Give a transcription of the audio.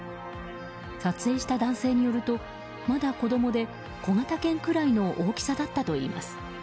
撮影した男性によるとまだ子供で小型犬くらいの大きさだったといいます。